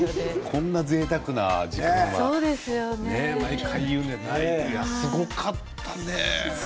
こんなぜいたくな時間はね毎回言うけど、すごかったね。